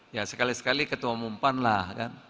ya sekali sekali ketua umpan lah